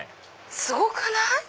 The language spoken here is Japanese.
すごくない？